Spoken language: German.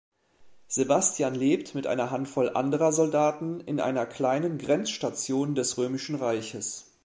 Sebastian lebt mit einer Handvoll anderer Soldaten in einer kleinen Grenzstation des römischen Reiches.